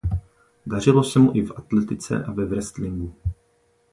Dařilo se mu i v atletice a ve wrestlingu.